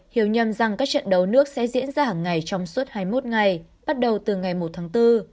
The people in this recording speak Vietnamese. hiểu nhầm rằng các trận đấu nước sẽ diễn ra hàng ngày trong suốt hai mươi một ngày bắt đầu từ ngày một tháng bốn